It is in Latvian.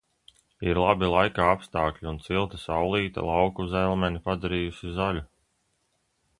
Ir labi laika apstākļi un silta saulīte lauku zelmeni padarījusi zaļu.